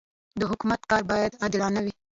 د حکومت کار باید عادلانه وي.